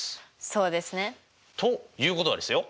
そうですね。ということはですよ